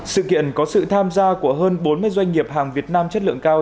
sự kiện có sự tham gia của hơn bốn mươi doanh nghiệp hàng việt nam chất lượng cao